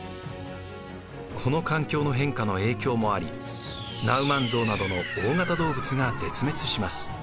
この環境の変化の影響もありナウマンゾウなどの大型動物が絶滅します。